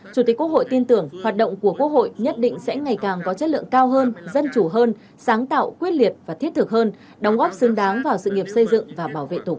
chủ tịch quốc hội tin tưởng hoạt động của quốc hội nhất định sẽ ngày càng có chất lượng cao hơn dân chủ hơn sáng tạo quyết liệt và thiết thực hơn đóng góp xứng đáng vào sự nghiệp xây dựng và bảo vệ tổ quốc